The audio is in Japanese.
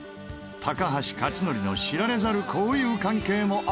高橋克典の知られざる交友関係も明らかに。